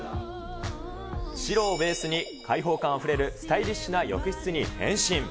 白をベースに開放感あふれるスタイリッシュな浴室に変身。